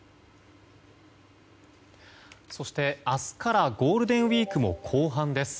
そして、明日からゴールデンウィークも後半です。